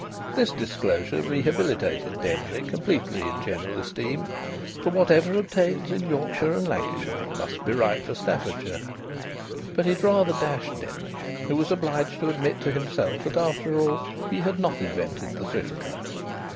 This disclosure rehabilitated Denry completely in general esteem, for whatever obtains in Yorkshire and Lancashire must be right for Staffordshire; but it rather dashed Denry, who was obliged to admit to himself that after all he had not invented the Thrift Club.